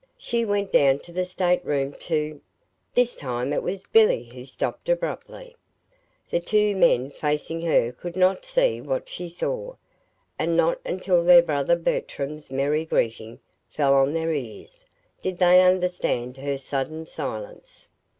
She went down to the stateroom to " This time it was Billy who stopped abruptly. The two men facing her could not see what she saw, and not until their brother Bertram's merry greeting fell on their ears did they understand her sudden silence.